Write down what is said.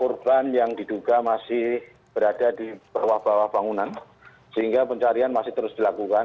korban yang diduga masih berada di bawah bawah bangunan sehingga pencarian masih terus dilakukan